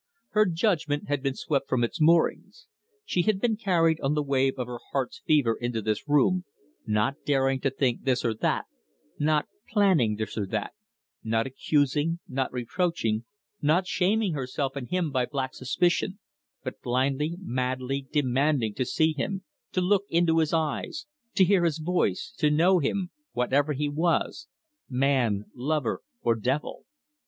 Her judgment had been swept from its moorings. She had been carried on the wave of her heart's fever into this room, not daring to think this or that, not planning this or that, not accusing, not reproaching, not shaming herself and him by black suspicion, but blindly, madly demanding to see him, to look into his eyes, to hear his voice, to know him, whatever he was man, lover, or devil.